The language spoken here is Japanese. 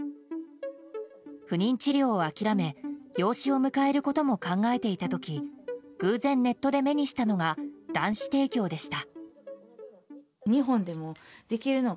不妊治療をあきらめ養子を迎えることも考えていた時偶然、ネットで目にしたのが卵子提供でした。